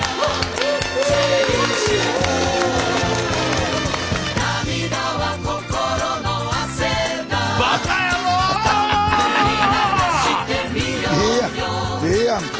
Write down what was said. ええやんか。